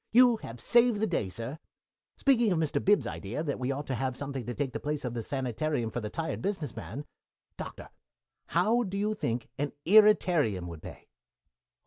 You have saved the day, Sir. Speaking of Mr. Bib's idea that we ought to have something to take the place of the sanitarium for the tired business man, Doctor, how do you think an irritarium would pay?"